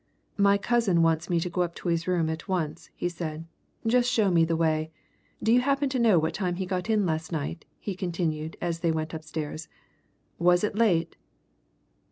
"My cousin wants me to go up to his room at once," he said. "Just show me the way. Do you happen to know what time he got in last night?" he continued, as they went upstairs. "Was it late?"